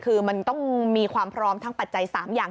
คือมันต้องมีความพร้อมทั้งปัจจัย๓อย่าง